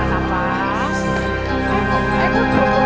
ayo ibu terus ibu